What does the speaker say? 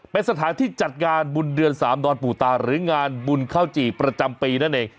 เป็นสถานที่จัดงานบุญเดือนสามดอนปู่ตาหรืองานบุญข้าวจี่ประจำปีนั่นเอง